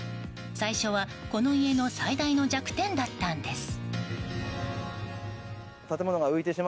最初は、この家の最大の弱点だったんです。